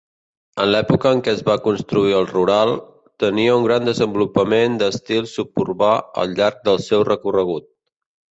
En l'època en què es va construir el Rural, tenia un gran desenvolupament d'estil suburbà al llarg del seu recorregut.